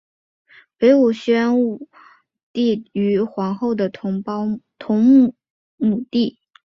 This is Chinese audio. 北魏宣武帝于皇后的同母弟。